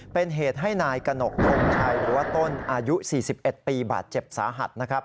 เป็นเหตุให้นายกระหนกน้องชายหัวต้นอายุ๔๑ปีบาทเจ็บสาหัส